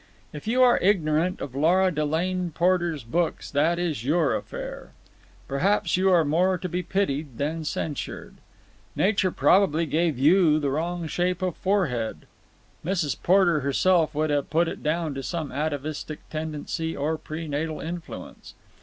If you are ignorant of Lora Delane Porter's books that is your affair. Perhaps you are more to be pitied than censured. Nature probably gave you the wrong shape of forehead. Mrs. Porter herself would have put it down to some atavistic tendency or pre natal influence.